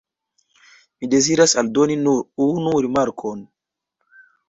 Mi deziras aldoni nur unu rimarkon.